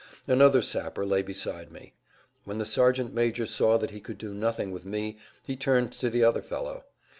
Another sapper lay beside me. When the sergeant major saw that he could do nothing with me he turned to the other fellow.